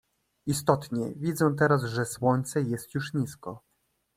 "Istotnie widzę teraz, że słońce jest już nisko."